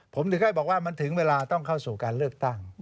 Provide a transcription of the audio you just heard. ผมถึงแค่บอกว่ามันถึงเวลาต้องเข้าสู่การเลือกตั้ง